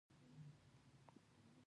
ځان ور نږدې که.